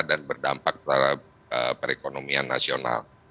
dan berdampak terhadap perekonomian nasional